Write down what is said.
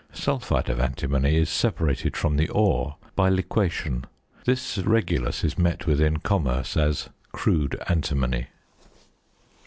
Sulphide of antimony is separated from the ore by liquation; this regulus is met with in commerce as "crude antimony."